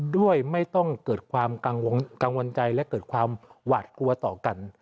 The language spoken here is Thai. ด้วยไม่ต้องเกิดความกังวลใจและเกิดความหวาดกลัวต่อกัน